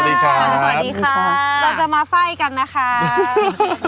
เราจะมาไฟกันนะครับ